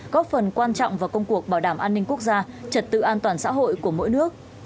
góp phần quan trọng vào công cuộc bảo đảm an ninh quốc gia trật tự an toàn xã hội của mỗi nước